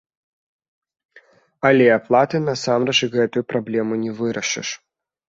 Але аплатай, насамрэч, гэтую праблему не вырашыш.